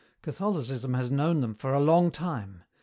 Catholicism has known them for a long time.